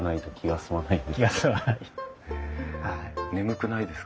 はい。